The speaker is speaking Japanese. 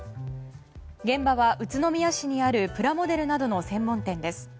現場は宇都宮市にあるプラモデルなどの専門店です。